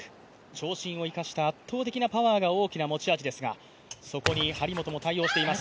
長身を生かした圧倒的なパワーが大きな持ち味ですがそこに張本も対応しています。